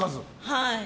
はい。